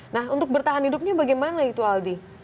nah untuk bertahan hidupnya bagaimana itu aldi